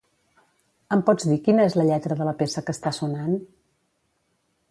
Em pots dir quina és la lletra de la peça que està sonant?